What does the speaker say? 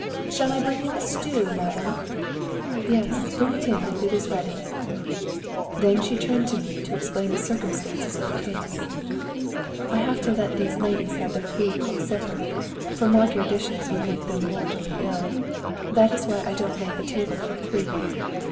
"Shall I bring in the stew, madame?" "Yes, bring it in, if it is ready." Then she turned to me to explain the circumstances of the case. "I have to let these ladies have their food cooked separately, for Magyar dishes would make them mortally ill. That is why I don't lay the table for three.